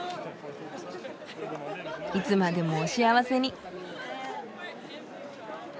いつまでもお幸せに。